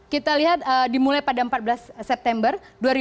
kita lihat dimulai pada empat belas september dua ribu dua puluh